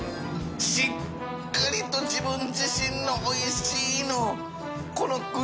しっかりと自分自身のおいしいのを海離蝓璽爐